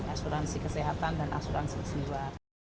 asuransi kesehatan dan asuransi jiwa